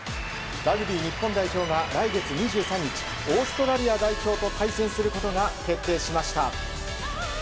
ラグビー日本代表が来月２３日オーストラリア代表と対戦することが決定しました。